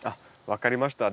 分かりました。